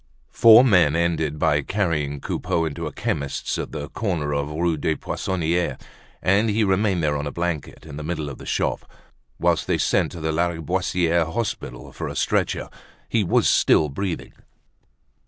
Four men ended by carrying Coupeau into a chemist's, at the corner of the Rue des Poissonniers; and he remained there on a blanket, in the middle of the shop, whilst they sent to the Lariboisiere Hospital for a stretcher. He was still breathing.